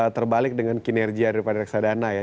terbalik dengan kinerja daripada reksadana ya